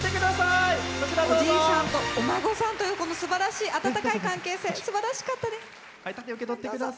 おじいさんとお孫さんというすばらしい温かい関係性すばらしかったです。